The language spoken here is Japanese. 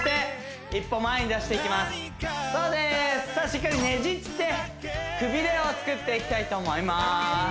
しっかりねじってくびれをつくっていきたいと思います